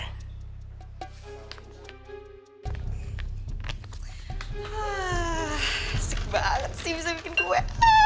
asik banget sih bisa bikin kue